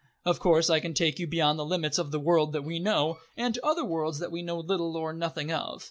Of course I can take you beyond the limits of the world that we know, and to other worlds that we know little or nothing of.